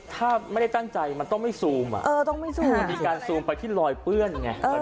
ถ้าไม่ได้จั้นใจต้องไม่เซอมมันมีการเซอมไปรอยเปื้อน